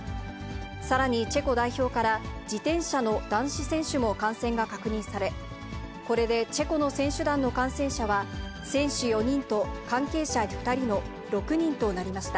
さらにチェコ代表から自転車の男子選手も感染が確認され、これでチェコの選手団の感染者は、選手４人と関係者２人の６人となりました。